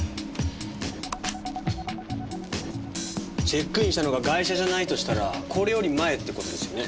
チェックインしたのがガイシャじゃないとしたらこれより前って事ですよね？